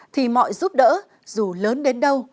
thì mọi giúp đỡ dù lớn đến đâu